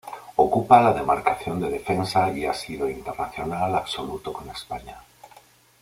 Ocupa la demarcación de defensa y ha sido internacional absoluto con España.